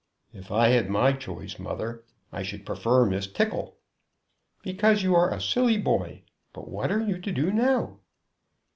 "If I had my choice, mother, I should prefer Miss Tickle." "Because you are a silly boy. But what are you to do now?"